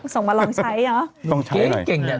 ส่งมาลองใช้หรอลองใช้หน่อยชัยเก่งเนี่ย